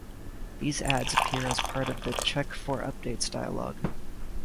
These ads appear as part of the "Check for updates" dialog.